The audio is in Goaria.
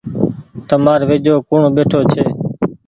تمآر ويجهو ڪوڻ ٻيٺو ڇي۔